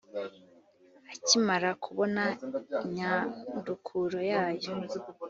akimara kubona inyandukuro yayo